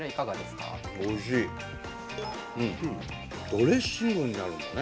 ドレッシングになるんだね。